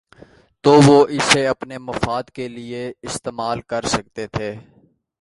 تو وہ اسے اپنے مفاد کے لیے استعمال کر سکتے تھے۔